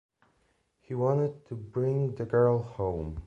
He wanted to bring the girl home.